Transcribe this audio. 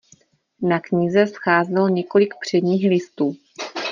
Na knize scházelo několik předních listů.